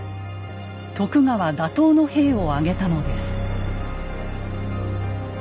徳川打倒の兵を挙げたのです。